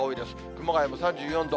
熊谷も３４度。